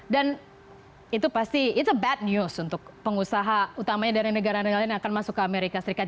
dan itu pasti it's a bad news untuk pengusaha utamanya dari negara negara lain akan masuk ke amerika serikat